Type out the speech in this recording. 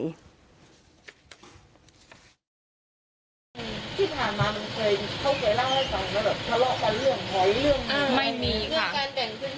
ที่ผ่านมามันเคยเข้าใจร่างให้กันเหรอแบบทะเลาะกันเรื่องหอยเรื่อง